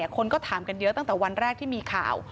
คนก็ถามกันเยอะตั้งแต่วันแรกที่มีข่าว